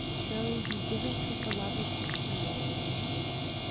'So he giveth his beloved sleep.'"